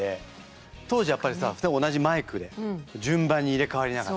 当時やっぱりさ同じマイクで順番に入れ代わりながら。